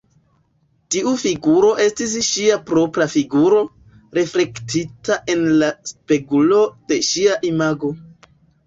Tiu figuro estis ŝia propra figuro, reflektita en la spegulo de ŝia imago.